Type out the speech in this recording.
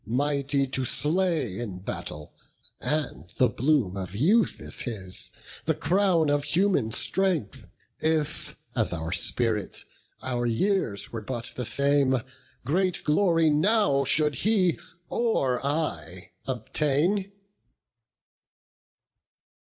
Mighty to slay in battle; and the bloom Of youth is his, the crown of human strength; If, as our spirit, our years were but the same, Great glory now should he, or I, obtain."